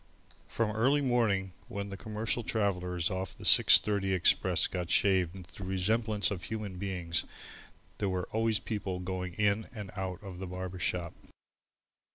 From early morning, when the commercial travellers off the 6.30 express got shaved into the resemblance of human beings, there were always people going in and out of the barber shop.